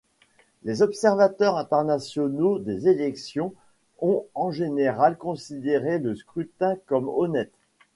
Les observateurs internationaux des élections ont en général considéré le scrutin comme honnête.